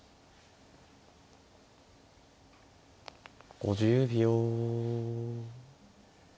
５０秒。